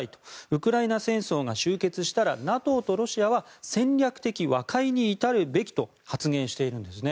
ウクライナ戦争が終結したらＮＡＴＯとロシアは戦略的和解に至るべきと発言しているんです。